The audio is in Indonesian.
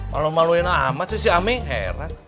malu malu enak amat sih si aming heran